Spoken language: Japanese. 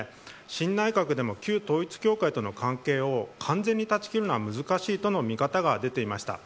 新内閣でも旧統一教会との関係を完全に断ち切るのは難しいとの見方が出ていました。